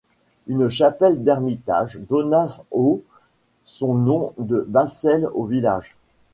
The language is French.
Une chapelle d'ermitage donna au son nom de Bassel au village.